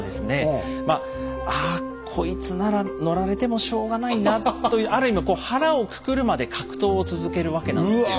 「ああこいつなら乗られてもしょうがないな」というある意味こう腹をくくるまで格闘を続けるわけなんですよ。